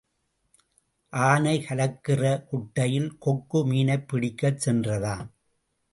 ஆனை கலக்குகிற குட்டையில் கொக்கு மீனைப் பிடிக்கச் சென்றதாம்.